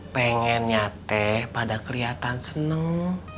pengen nyate pada kelihatan seneng